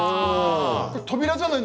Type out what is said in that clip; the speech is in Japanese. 扉じゃない？